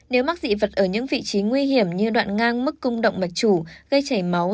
nếu mắc dị vật ở những vị trí nguy hiểm như đoạn ngang mức cung động mạch chủ gây chảy máu